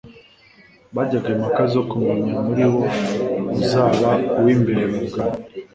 Bajyaga impaka zo kumenya muri bo uzaba uw'imbere mu bwami.